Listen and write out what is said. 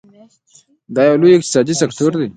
دا یو لوی اقتصادي سکتور دی.